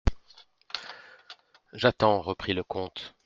J'attends, reprit le comte.